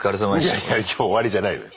いやいや今日終わりじゃないのよ。